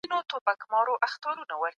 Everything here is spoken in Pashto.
زرپري